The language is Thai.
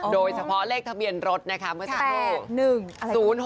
โดยเฉพาะเลขทะเบียนรถนะคะเมื่อสักครู่